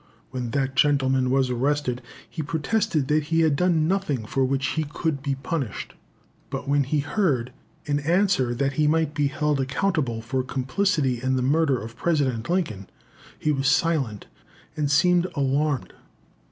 When that gentleman was arrested, he protested that he had done nothing for which he could be punished; but when he heard, in answer, that he might be held accountable for complicity in the murder of President Lincoln, he was silent and seemed alarmed.